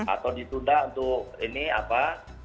atau ditunda untuk ini apa